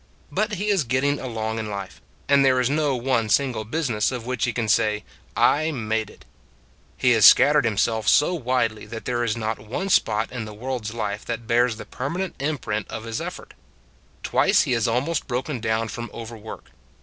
But he is getting along in life, and there is no one single business of which he can say: " I made it." He has scattered himself so widely that there is not one spot in the world s life that bears the permanent imprint of his effort. Twice he has almost broken down from overwork.